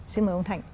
xin mời ông thành